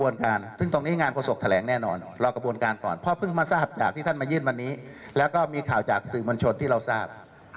ยังไกลเกินไปที่จะพูดตรงนั้นครับ